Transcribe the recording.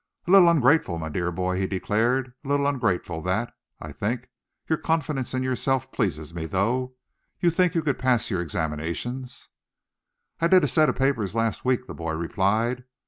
"A little ungrateful, my dear boy," he declared, "a little ungrateful that, I think. Your confidence in yourself pleases me, though. You think you could pass your examinations?" "I did a set of papers last week," the boy replied.